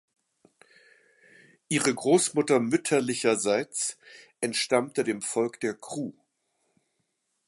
Ihre Großmutter mütterlicherseits entstammte dem Volk der Kru.